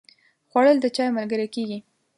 خوړل د چای ملګری کېږي